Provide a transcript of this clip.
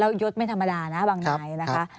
แล้วยศไม่ธรรมดานะบางนายนะคะ